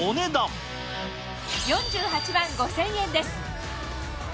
４８万５０００円です。